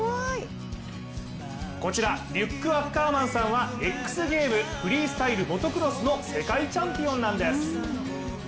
こちら、リュック・アッカーマンさんはＸＧＡＭＥＳフリースタイルモトクロスの世界チャンピオンなんです。